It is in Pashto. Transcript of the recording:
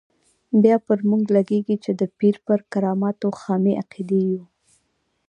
بیا پر موږ لګېږي چې د پیر پر کراماتو خامې عقیدې یو.